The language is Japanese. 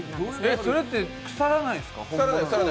それって腐らないんですか？